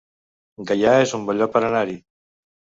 Gaià es un bon lloc per anar-hi